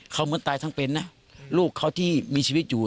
เขาเหมือนตายทั้งเป็นนะลูกเขาที่มีชีวิตอยู่